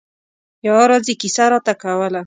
يوه ورځ يې کیسه راته کوله.